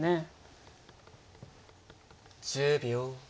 １０秒。